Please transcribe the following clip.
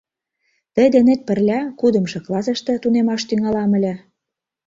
Тый денет пырля кудымшо классыште тунемаш тӱҥалам ыле.